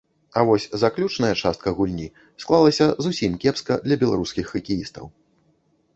А вось заключная частка гульні склалася зусім кепска для беларускіх хакеістаў.